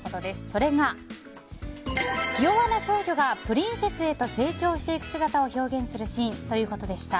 それが、気弱な少女がプリンセスへと成長していく姿を表現するシーンということでした。